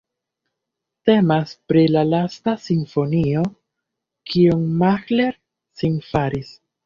Temas pri la lasta simfonio, kiun Mahler finfaris.